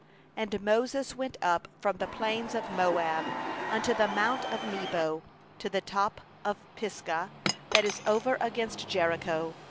And Moses went up from the plains of Moab unto mount Nebo, to the top of Pisgah, that is over against Jericho.